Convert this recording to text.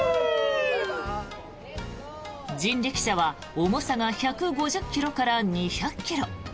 人力車は重さが１５０ｋｇから２００ｋｇ。